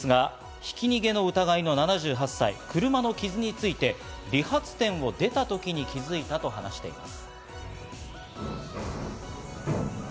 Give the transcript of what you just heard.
ひき逃げの疑いの７８歳、車の傷について理髪店を出た時に気づいたと話しています。